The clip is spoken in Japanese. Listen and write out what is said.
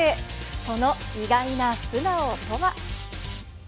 その意外な素顔とは。